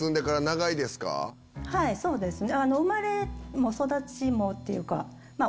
はいそうですね。